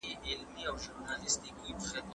زه به اوږده موده د يادښتونه بشپړ کړم!